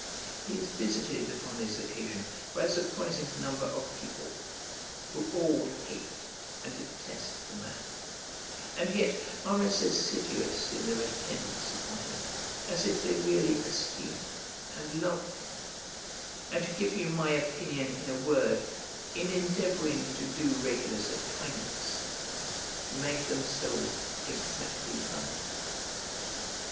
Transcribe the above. He is visited upon this occasion by a surprising number of people, who all hate and detest the man, and yet are as assiduous in their attendance upon him as if they really esteemed and loved him, and, to give you my opinion in a word, in endeavouring to do Regulus a kindness, make themselves exactly like him.